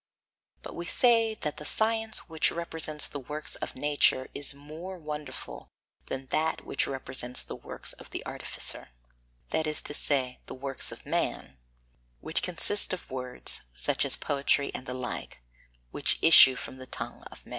But we say that the science which represents the works of nature is more wonderful than that which represents the works of the artificer, that is to say, the works of man, which consist of words such as poetry and the like which issue from the tongue of man.